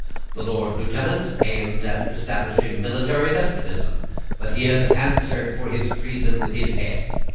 The Lord Lieutenant aimed at establishing military despotism; but he has answered for his treason with his head.